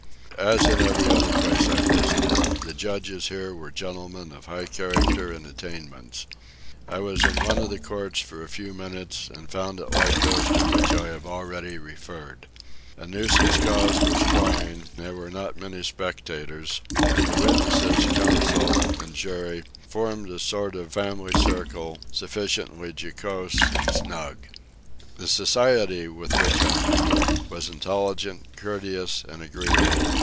As in every other place I visited, the judges here were gentlemen of high character and attainments. I was in one of the courts for a few minutes, and found it like those to which I have already referred. A nuisance cause was trying; there were not many spectators; and the witnesses, counsel, and jury, formed a sort of family circle, sufficiently jocose and snug. The society with which I mingled, was intelligent, courteous, and agreeable.